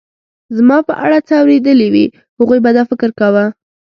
زما په اړه څه اورېدلي وي، هغوی به دا فکر کاوه.